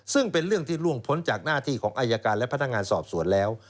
ซึ่งเป็นเรื่องที่ล่วงพ้นจากหน้าที่ของอายการและพนักงานสอบสวนแล้ว